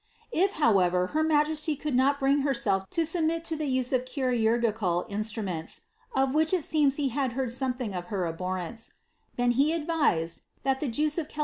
If, however, her Majesty could not bring herself to submit lo the nse of chirurgtcil instruments (of which it seems he had heard something of her abhin^ rence), then he advised that the Juice o( eke!